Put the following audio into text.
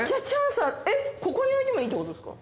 えっここに置いてもいいってことですか？